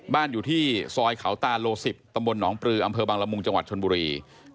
บ้านอยู่ที่ซอยเขาตาโล๑๐ตำบลหนองปลืออำเภอบังละมุงจังหวัดชนบุรี